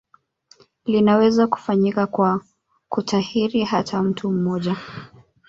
Linaweza kufanyika kwa kutahiri hata mtu mmoja